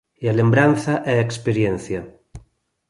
E a lembranza é experiencia.